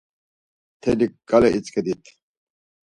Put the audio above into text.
Mtelik gale itzk̆edit!